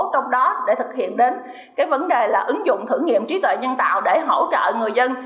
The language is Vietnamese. trong đó để thực hiện đến cái vấn đề là ứng dụng thử nghiệm trí tuệ nhân tạo để hỗ trợ người dân